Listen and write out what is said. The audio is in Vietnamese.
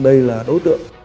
đây là đối tượng